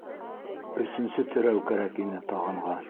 Өсөнсө терәү кәрәк ине тағанға.